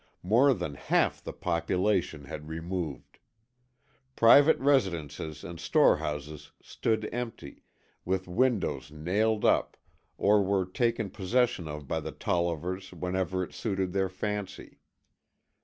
More than half the population had removed. Private residences and storehouses stood empty, with windows nailed up or were taken possession of by the Tollivers whenever it suited their fancy.